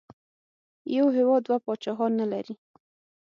یو هېواد دوه پاچاهان نه لري.